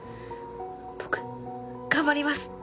僕頑張ります。